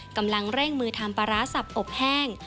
กำลังเร่งมือทำปลาร้าสับอบแห้ง